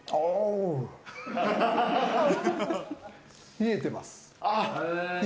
冷えてます。